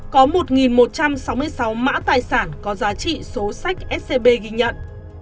có một một trăm sáu mươi sáu mã tài sản có giá trị số sách scb ghi nhận